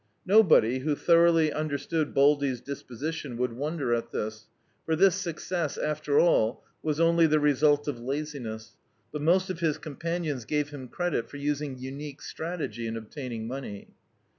Nobody, who thoroughly understood Baldy's disposition, would wonder at this; for this success, after all, was only the result of laziness, but most of his companions gave him credit for using unique strategy in obtain ing money.